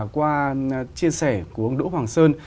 qua chia sẻ của ông đỗ hoàng sơn